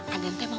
aden tante mau